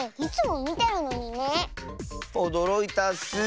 おどろいたッス！